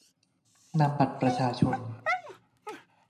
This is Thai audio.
- นำบัตรประชาชน